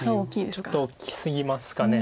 ちょっと大きすぎますかね。